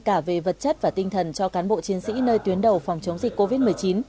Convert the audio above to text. cả về vật chất và tinh thần cho cán bộ chiến sĩ nơi tuyến đầu phòng chống dịch covid một mươi chín